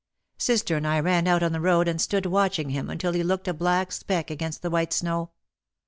Sister and I ran out on the road and stood watching him until he looked a black speck against the white snow.